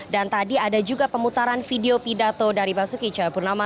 dan tadi ada juga pemutaran video pidato dari basuki chai purnama